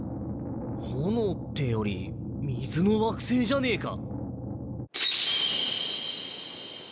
炎ってより水の惑星じゃねえか。